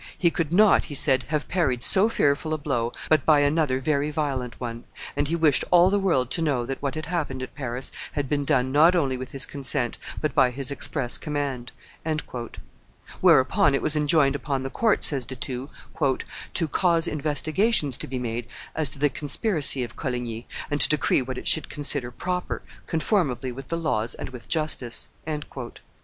"He could not," he said, "have parried so fearful a blow but by another very violent one; and he wished all the world to know that what had happened at Paris had been done not only with his consent, but by his express command." Whereupon it was enjoined upon the court, says De Thou, "to cause investigations to be made as to the conspiracy of Coligny, and to decree what it should consider proper, conformably with the laws and with justice."